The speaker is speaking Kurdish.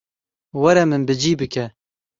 Were min bi cî bike.